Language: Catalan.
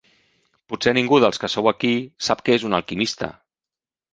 Potser ningú dels que sou aquí sap què és un alquimista!